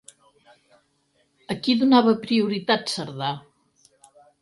A qui donava prioritat Cerdà?